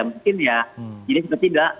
mungkin ya jadi seperti itu tidak